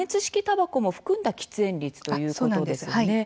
たばこも含んだ喫煙率ということですよね。